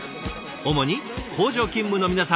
主に工場勤務の皆さん。